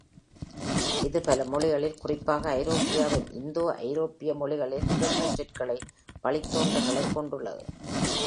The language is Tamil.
இது பல மொழிகளில், குறிப்பாக ஐரோப்பாவின் இந்தோ-ஐரோப்பிய மொழிகளில் (கேண்மைச்சொற்களை) வழித்தோன்றல்களைக் கொண்டுள்ளது.